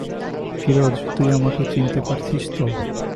ফিরোজ, তুই আমাকে চিনতে পারছিস তো?